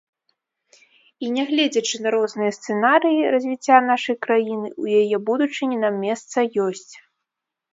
І, нягледзячы на розныя сцэнарыі развіцця нашай краіны, у яе будучыні нам месца ёсць.